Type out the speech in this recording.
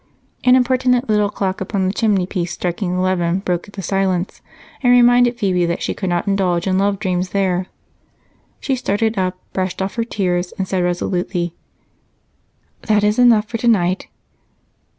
An impertinent little clock upon the chimneypiece striking eleven broke the silence and reminded Phebe that she could not indulge in love dreams there. She started up, brushed off her tears, and said resolutely: "That is enough for tonight.